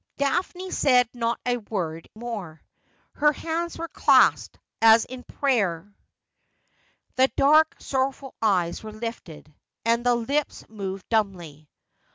Daphne said not a word more. Her hands were clasped, as in prayer ; the dark sorrowful eyes were lifted, and the lips moved dumbly.